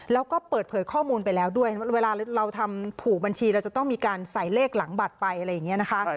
แล้วก็เปิดเผยข้อมูลไปแล้วด้วยเวลาเราทำผูกบัญชีเราจะต้องมีการใส่เลขหลังบัตรไปอะไรอย่างนี้นะคะ